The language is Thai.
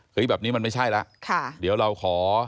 แบบนี้มันไม่ใช่แล้วเดี๋ยวเราขอ